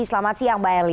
selamat siang mbak eli